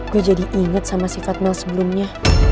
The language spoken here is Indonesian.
gue jadi inget sama sifat mel sebelumnya